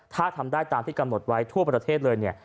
ถ้าทำได้ตามที่กำหนดไว้ทั่วประเทศเลยเนี่ย